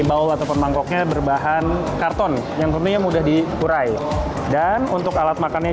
baul ataupun bangkoknya berbahan karton yang kemudian mudah dipurai dan untuk alat makannya